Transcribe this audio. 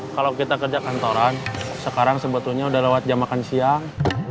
kalau kita kerja kantoran sekarang sebetulnya sudah lewat jam makan siang